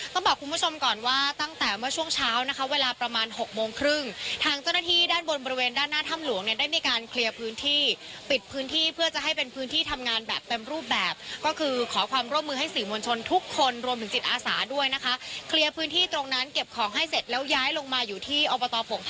ต้องบอกคุณผู้ชมก่อนว่าตั้งแต่เมื่อช่วงเช้านะคะเวลาประมาณหกโมงครึ่งทางเจ้าหน้าที่ด้านบนบริเวณด้านหน้าถ้ำหลวงเนี่ยได้มีการเคลียร์พื้นที่ปิดพื้นที่เพื่อจะให้เป็นพื้นที่ทำงานแบบเต็มรูปแบบก็คือขอความร่วมมือให้สื่อมวลชนทุกคนรวมถึงจิตอาสาด้วยนะคะเคลียร์พื้นที่ตรงนั้นเก็บของให้เสร็จแล้วย้ายลงมาอยู่ที่อบตผง